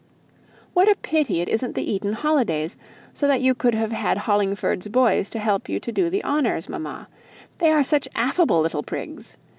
"What a pity it isn't the Eton holidays, so that you could have had Hollingford's boys to help you to do the honours, mamma. They are such affable little prigs.